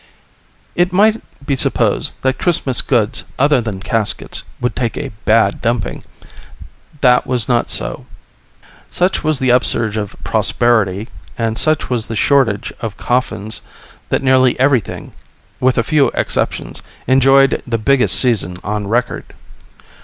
It might be supposed that Christmas goods other than caskets would take a bad dumping. That was not so. Such was the upsurge of prosperity, and such was the shortage of coffins, that nearly everything with a few exceptions enjoyed the biggest season on record.